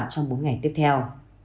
trong bốn ngày tiếp theo